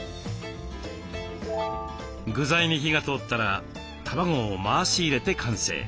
具材に火が通ったら卵を回し入れて完成。